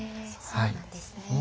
そうなんですね。